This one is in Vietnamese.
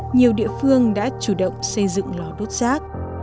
nhiều địa phương đã chủ động xây dựng lò đốt rác